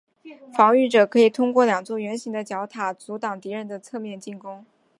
防御者可以通过两座圆形的角塔阻挡敌人的侧面进攻。